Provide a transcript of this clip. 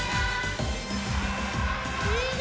いいね！